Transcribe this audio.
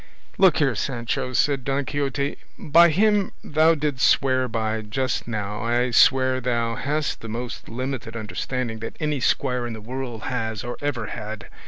"Look here, Sancho," said Don Quixote, "by him thou didst swear by just now I swear thou hast the most limited understanding that any squire in the world has or ever had.